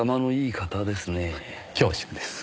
恐縮です。